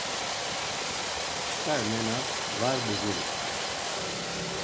Çkar nenas var buguri.